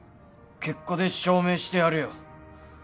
結果で証明してやるよ